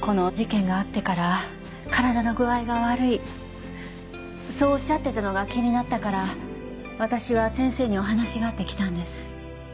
この事件があってから体の具合が悪いそうおっしゃってたのが気になったから私は先生にお話があって来たんです。